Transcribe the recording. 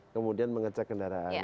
kemudian mengecek kendaraan